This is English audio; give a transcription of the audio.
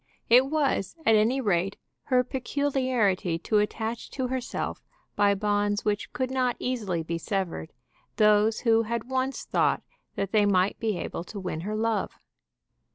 It was, at any rate, her peculiarity to attach to herself, by bonds which could not easily be severed, those who had once thought that they might be able to win her love.